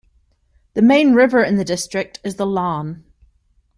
The main river in the district is the Lahn.